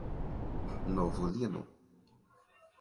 Novo Lino